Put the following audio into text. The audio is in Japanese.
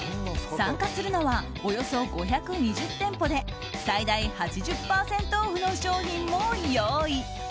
参加するのはおよそ５２０店舗で最大８０％オフの商品も用意。